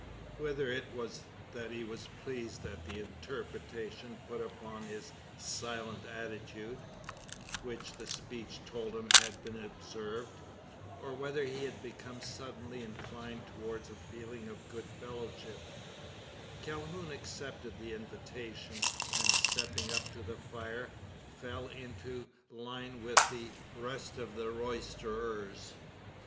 Whether it was that he was pleased at the interpretation put upon his silent attitude which the speech told him had been observed or whether he had become suddenly inclined towards a feeling of good fellowship, Calhoun accepted the invitation; and stepping up to the fire, fell into line with the rest of the roysterers.